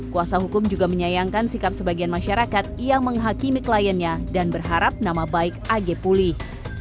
kuasa hukum juga menyayangkan sikap sebagian masyarakat yang menghakimi kliennya dan berharap nama baik ag pulih